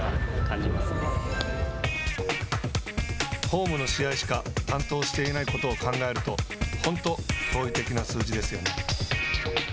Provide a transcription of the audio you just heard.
ホームの試合しか担当していないことを考えると本当、驚異的な数字ですよね。